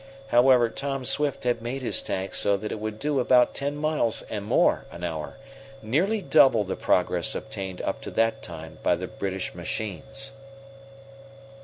However, Tom Swift had made his tank so that it would do about ten miles and more an hour, nearly double the progress obtained up to that time by the British machines.